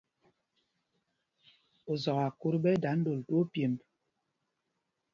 Ozɔkákût ɓɛ́ ɛ́ dā ndôl twóó pyêmb.